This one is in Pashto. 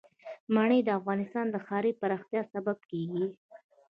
منی د افغانستان د ښاري پراختیا سبب کېږي.